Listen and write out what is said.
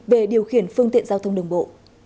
về điều khiển phương tiện giao thông đường bộ